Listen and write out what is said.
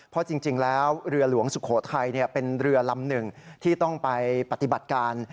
เพราะจริงแล้วเรือหลวงสุโขทัยเป็นเรือลำหนึ่งที่ต้องไปปฏิบัติการ